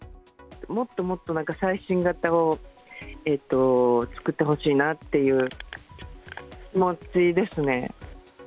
もっともっと最新型を作ってほしいなっていう気持ちですね。